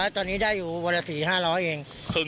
ตอนนี้ได้อยู่วันละ๔๕๐๐เอง